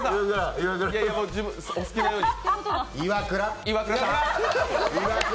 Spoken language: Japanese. お好きなように。